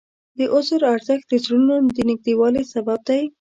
د عذر ارزښت د زړونو د نږدېوالي سبب دی.